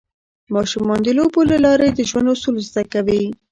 ماشومان د لوبو له لارې د ژوند اصول زده کوي.